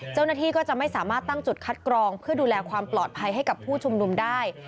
เจ้าหน้าที่ก็จะไม่สามารถตั้งจุดคัดกรองเพื่อดูแลความปลอดภัยให้กับผู้ชุมนุมได้